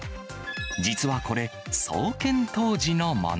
実はこれ、創建当時のもの。